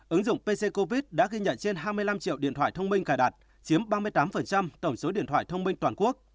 ứng dụng pc covid đã ghi nhận trên hai mươi năm triệu điện thoại thông minh cài đặt chiếm ba mươi tám tổng số điện thoại thông minh toàn quốc